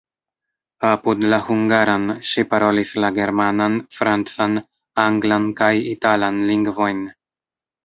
Apud la hungaran ŝi parolis la germanan, francan, anglan kaj italan lingvojn.